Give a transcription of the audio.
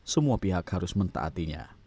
semua pihak harus mentaatinya